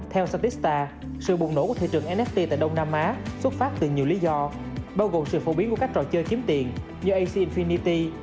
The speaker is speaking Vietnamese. theo satista sự bùng nổ của thị trường nft tại đông nam á xuất phát từ nhiều lý do bao gồm sự phổ biến của các trò chơi kiếm tiền như acvnity